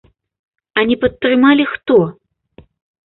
А не падтрымалі хто?